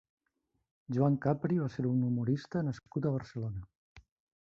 Joan Capri va ser un humorista nascut a Barcelona.